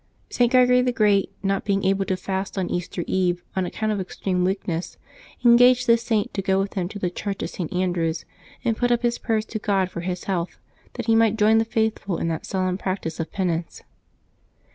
St. Gregory the Great not being able to fast on Easter eve on account of extreme weakness, en gaged this Saint to go with him to the church of St. An drew's and put up his prayers to God for his health, that he might join the faithful in that solemn practice of pen ance.